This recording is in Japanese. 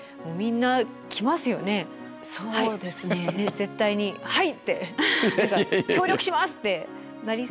絶対に「はい！」って「協力します！」ってなりそう。